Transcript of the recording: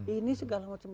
ini segala macam